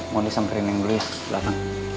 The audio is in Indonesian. mundi samperin yang beli ya